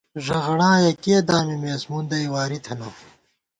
ݫغَڑاں یَکیہ دامِمېس ، مُندئی واری تھنہ